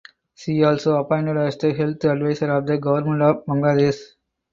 She also appointed as the Health advisor of the Government of Bangladesh.